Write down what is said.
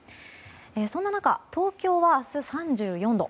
そんな中、東京は明日３４度。